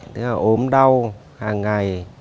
tức là ốm đau hàng ngày